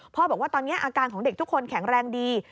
บอกว่าตอนนี้อาการของเด็กทุกคนแข็งแรงดี